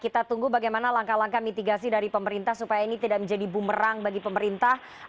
kita tunggu bagaimana langkah langkah mitigasi dari pemerintah supaya ini tidak menjadi bumerang bagi pemerintah